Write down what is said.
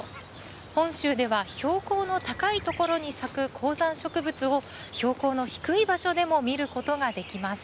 本州では標高の高い所に咲く高山植物を、標高の低い場所でも見ることができます。